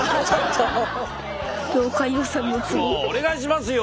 お願いしますよ。